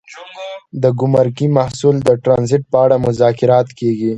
د ګمرکي محصول او ټرانزیټ په اړه مذاکرات کیږي